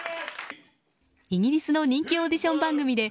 イギリスの人気オーディション番組で